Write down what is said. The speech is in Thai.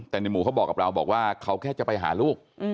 แต่ในหมู่เขาบอกกับเราบอกว่าเขาแค่จะไปหาลูก